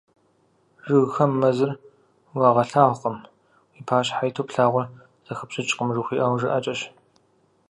"Жыгхэм мэзыр уагъэлъагъукъым" — уи пащхьэ иту плъагъур зэхэпщӀыкӀкъым жыхуиӀэ жыӀэкӀэщ.